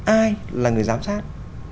ai là người giám sát